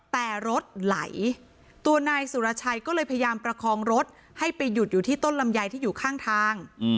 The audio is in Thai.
แต่รถไหลตัวนายสุรชัยก็เลยพยายามประคองรถให้ไปหยุดอยู่ที่ต้นลำไยที่อยู่ข้างทาง